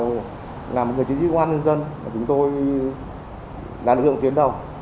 chính trị công an nhân dân chúng tôi là lực lượng tuyến đồng